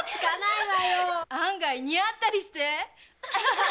案外似合ったりして！